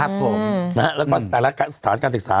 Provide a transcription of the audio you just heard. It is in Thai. แล้วก็แต่ละสถานการศึกษา